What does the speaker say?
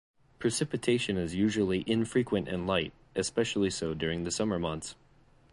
Precipitation is usually infrequent and light, especially so during the summer months.